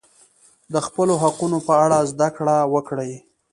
د خپلو حقونو په اړه زده کړه وکړئ.